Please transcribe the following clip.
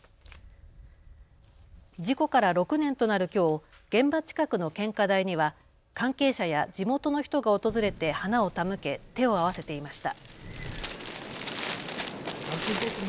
事故から６年となるきょう現場近くの献花台には関係者や地元の人が訪れて花を手向け手を合わせていました。